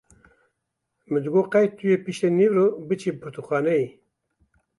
Min digot qey tu yê piştî nîvro biçî pirtûkxaneyê.